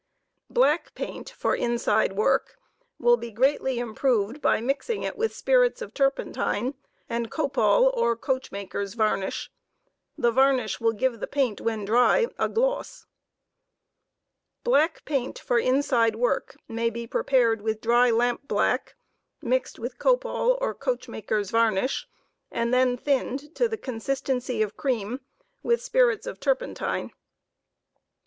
Black paint for inside work will be greatly improved by mixing it with spirits of turpentine and copal or coachmakers' varnish* The varnish will give the paint when dry a gloss. Black paint for inside work may be prepared with dry lampblack, mixed with copal or coachmakers' varnish and then thinned to the consistency of cream with spirits of turpentine.